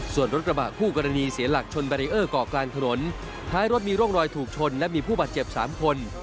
ส่วนรถกระบะคู่กรณีเสียหลักชนแบรีเออร์เกาะกลางถนนท้ายรถมีร่องรอยถูกชนและมีผู้บาดเจ็บสามคน